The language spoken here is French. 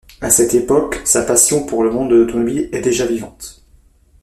À cette époque, sa passion pour le monde de l’automobile est déjà vivante.